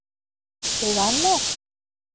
Улан мо?